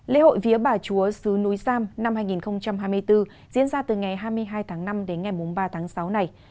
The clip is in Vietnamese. lễ hội vía bà chúa sứ núi sam năm hai nghìn hai mươi bốn diễn ra từ ngày hai mươi hai tháng năm đến ngày ba tháng sáu này